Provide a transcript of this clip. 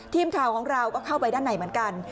ทีมข่าวของเราก็เข้าไปด้านในเหมือนกัน